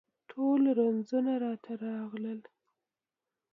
ټول رنځونه راته راغلل